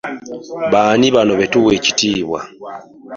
Bani bano betuwa ekitiibwa.